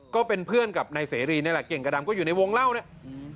ก็เป็นเพื่อนกับนายเสรีนี่แหละเก่งกระดำก็อยู่ในวงเล่าเนี่ย